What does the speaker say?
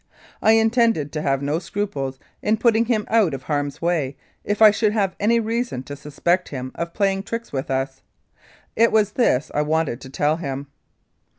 I intended to have no scruples in putting him out of harm's way if I should have any reason to suspect him of playing tricks with us. It was this I wanted to tell him.